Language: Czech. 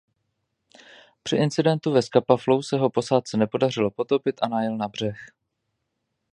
Při incidentu ve Scapa Flow se ho posádce nepodařilo potopit a najel na břeh.